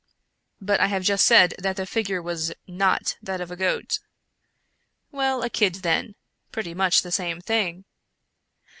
" But I have just said that the figure was not that of a goat." " Well, a kid then — pretty much the same thing."